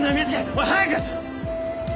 おい早く！